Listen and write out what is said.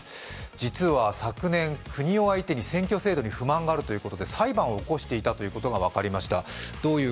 実は昨年、国を相手に選挙制度に不満があるということで、裁判を起こしていたことが分かりました。